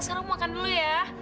sekarang mau makan dulu ya